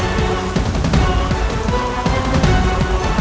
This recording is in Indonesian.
ambo telah meninggal